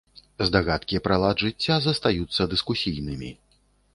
Здагадкі пра лад жыцця застаюцца дыскусійнымі.